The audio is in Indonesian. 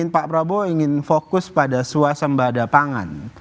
pak prabowo ingin fokus pada suasembah depangan